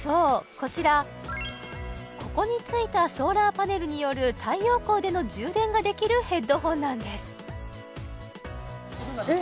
こちらここに付いたソーラーパネルによる太陽光での充電ができるヘッドホンなんですえっ